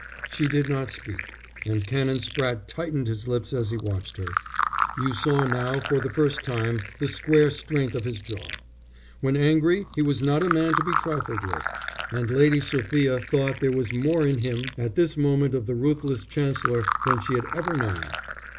She did not speak, and Canon Spratte tightened his lips as he watched her. You saw now for the first time the square strength of his jaw. When angry he was not a man to be trifled with, and Lady Sophia thought there was more in him at this moment of the ruthless Chancellor than she had ever known.